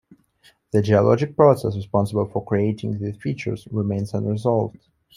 The geologic process responsible for creating these features remains unresolved.